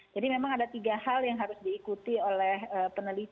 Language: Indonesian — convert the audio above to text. jadi memang ada tiga hal yang harus diikuti oleh peneliti dalam penelitian